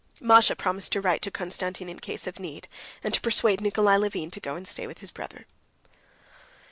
Masha promised to write to Konstantin in case of need, and to persuade Nikolay Levin to go and stay with his brother.